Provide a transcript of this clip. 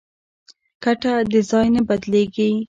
کټه د ځای نه بدلېږي.